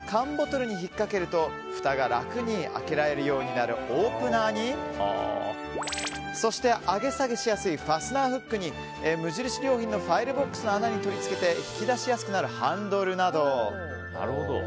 こちらは缶ボトルにひっかけるとふたが楽に開けられるようになるオープナーにそして、上げ下げしやすいファスナーフックに無印良品のファイルボックスの穴に取り付けて引き出しやすくなるハンドルなど。